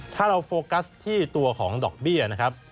ถ้าเราโฟกัสที่ตัวของดอกเบี้ยนะครับ